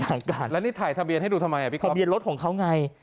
หลังการแล้วนี่ถ่ายทะเบียนให้ดูทำไมทะเบียนรถของเขาไง